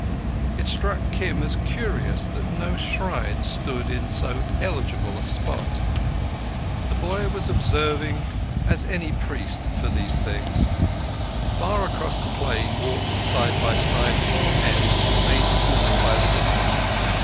It struck Kim as curious that no shrine stood in so eligible a spot: the boy was observing as any priest for these things. Far across the plain walked side by side four men, made small by the distance.